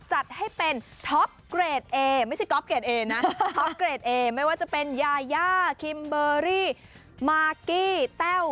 จัดให้เป็นท็อปเกรดเอไม่ว่าจะเป็นยาย่าคิมเบอรี่มากกี้แต้ว